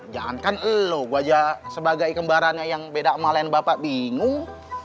jangan kan elu gua aja sebagai kembarannya yang beda sama lain bapak bingung